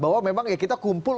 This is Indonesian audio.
bahwa memang ya kita kumpul